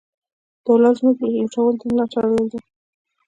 دولت زموږ لوټلو ته ملا تړلې ده.